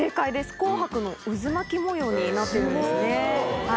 紅白の渦巻き模様になってるんですね。